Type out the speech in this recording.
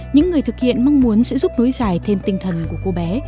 những người thực hiện mong muốn sẽ giúp nối dài thêm tinh thần của cô bé